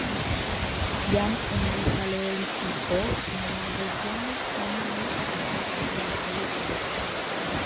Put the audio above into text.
Jam en la paleolitiko en la regiono homoj ĉasis kaj kolektis tie.